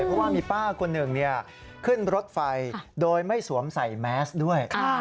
เพราะว่ามีป้าคนหนึ่งขึ้นรถไฟโดยไม่สวมใส่แมสด้วย